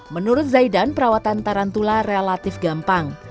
menurut zaidan perawatan tarantula relatif gampang